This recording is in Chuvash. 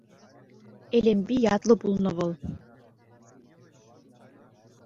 Элемпи ятлӑ пулнӑ вӑл.